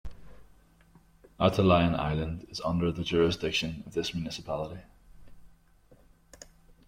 Atulayan Island is under the jurisdiction of this municipality.